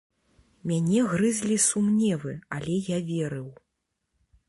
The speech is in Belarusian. Мяне грызлі сумневы, але я верыў.